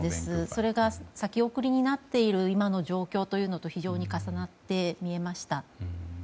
それが先送りになっている今の状況と非常に重なって見えました。